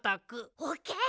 オッケー。